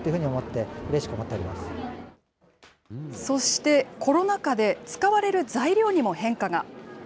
そして、コロナ禍で使われる材料にも変化が。